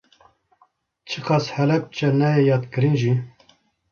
Çiqas Helepçe neyê yadkirin jî